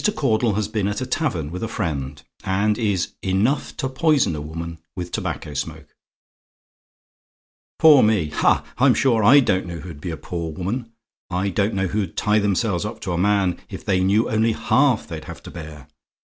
CAUDLE HAS BEEN AT A TAVERN WITH A FRIEND, AND IS "ENOUGH TO POISON A WOMAN" WITH TOBACCO SMOKE "Poor me! Ha! I'm sure I don't know who'd be a poor woman! I don't know who'd tie themselves up to a man, if they knew only half they'd have to bear.